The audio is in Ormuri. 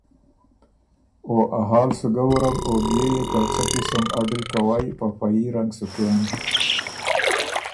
او ا حال سُو وُرم او بيې يې که څۀ قسُم اډِر کوی په فه يي رنګ سُو کېم